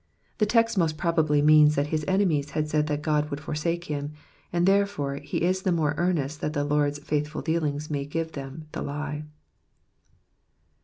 The text most properly means that his enemies had said that God would forsake him ; and, therefore, he is the more earnest tbat the Lord's faithful dealings may give them the lie.